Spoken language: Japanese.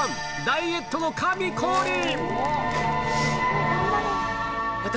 ダイエットの神降臨！